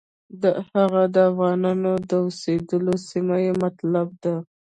هغه د افغانانو د اوسېدلو سیمه یې مطلب ده.